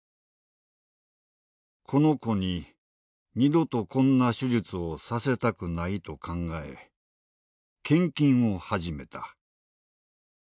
この子に二度とこんな手術をさせたくないと考え献金を始めた。